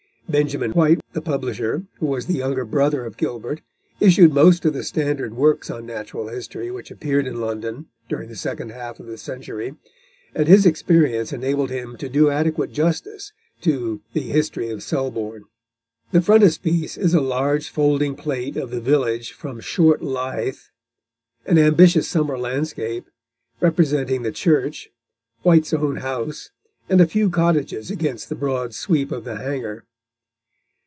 Benjamin White, the publisher, who was the younger brother of Gilbert, issued most of the standard works on natural history which appeared in London during the second half of the century, and his experience enabled him to do adequate justice to The History of Selborne. The frontispiece is a large folding plate of the village from the Short Lythe, an ambitious summer landscape, representing the church, White's own house, and a few cottages against the broad sweep of the hangar.